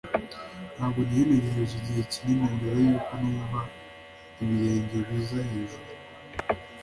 Ntabwo nari ntegereje igihe kinini mbere yuko numva ibirenge biza hejuru